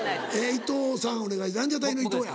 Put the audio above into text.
伊藤さんお願いランジャタイの伊藤や。